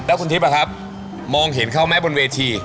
แล้วคุณทิพย์มองเห็นเขาไหมบนเวที